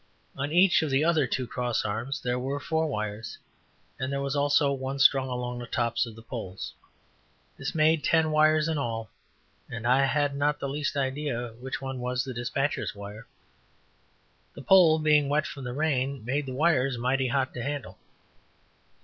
On each of the other two cross arms there were four wires, and there was also one strung along the tops of the poles. This made ten wires in all, and I had not the least idea which one was the despatcher's wire. The pole being wet from the rain, made the wires mighty hot to handle.